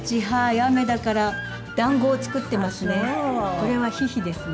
これはヒヒですね。